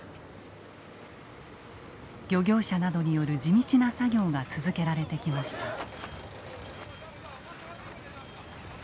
漁業者などによる地道な作業が続けられてきました。